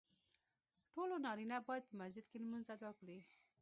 ټولو نارینه باید په مسجد کې لمونځ ادا کړي .